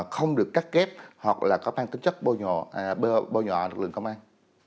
không được cắt kép hoặc là có mang tính chất bôi nhọ lực lượng công an